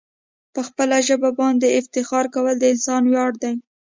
په خپل ژبه باندي افتخار کول د انسان ویاړ دی.